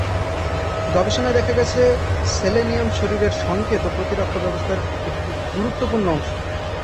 গবেষণায় দেখা গেছে, সেলেনিয়াম শরীরের সংকেত ও প্রতিরক্ষা ব্যবস্থার একটি গুরুত্বপূর্ণ অংশ।